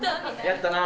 やったな。